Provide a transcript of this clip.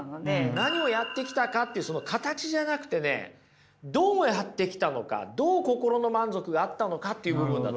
何をやってきたかっていうその形じゃなくてねどうやってきたのかどう心の満足があったのかっていう部分だと思います。